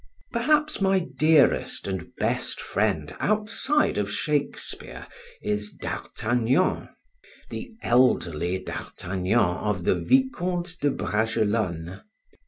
Perhaps my dearest and best friend outside of Shakespeare is D'Artagnan the elderly D'Artagnan of the Vicomte de Bragelonne.